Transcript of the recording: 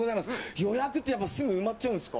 予約ってすぐ埋まっちゃうんですか？